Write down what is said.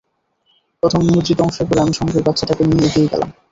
প্রথম নিমজ্জিত অংশের পরে, আমি সঙ্গের বাচ্চাটাকে নিয়ে এগিয়ে গেলাম।